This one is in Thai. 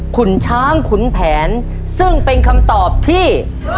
ขุนช้างขุนแผนซึ่งเป็นคำตอบที่